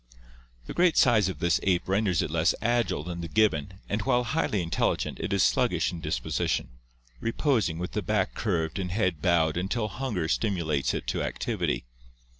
The great size of this ape renders it less agile than the gibbon and while highly intelligent it is sluggish in disposition, reposing with the back curved and head bowed until hunger stimulates it to activity.